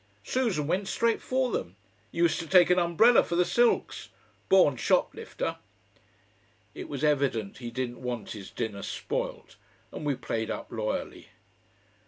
Susan went straight for them used to take an umbrella for the silks. Born shoplifter." It was evident he didn't want his dinner spoilt, and we played up loyally.